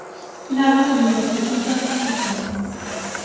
Normas administrativas e de xestión.